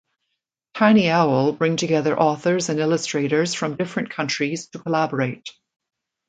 Tiny Owl bring together authors and illustrators from different countries to collaborate.